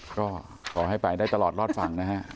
ก็ขอให้ไปได้ตลอดรอดฝั่งนะฮะ